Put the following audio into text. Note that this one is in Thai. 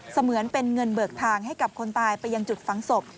เหมือนเป็นเงินเบิกทางให้กับคนตายไปยังจุดฝังศพ